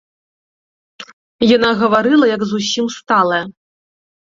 Яна гаварыла, як зусім сталая.